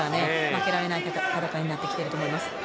負けられない戦いになってきていると思います。